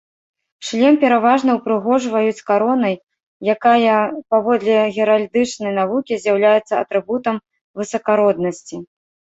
Шлем пераважна ўпрыгожваюць каронай, якая, паводле геральдычнай навукі, з'яўляецца атрыбутам высакароднасці.